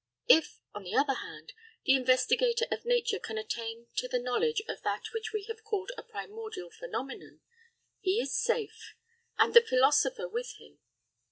If, on the other hand, the investigator of nature can attain to the knowledge of that which we have called a primordial phenomenon, he is safe; and the philosopher with him.